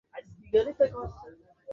তুমি ওগুলো জাহাজের কোথায় খুঁজবে?